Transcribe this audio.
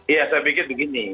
ya saya pikir begini